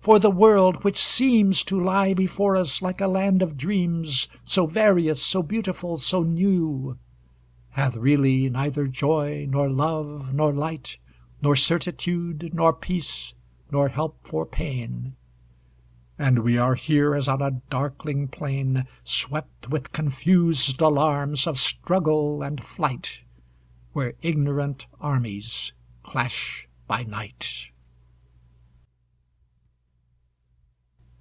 for the world, which seems To lie before us like a land of dreams, So various, so beautiful, so new, Hath really neither joy, nor love, nor light, Nor certitude, nor peace, nor help for pain; And we are here as on a darkling plain Swept with confused alarms of struggle and flight, Where ignorant armies clash by night.